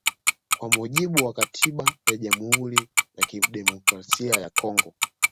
Kwa mujibu wa katiba ya Jamhuri ya Kidemokrasia ya Kongo